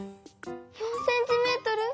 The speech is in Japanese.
４ｃｍ？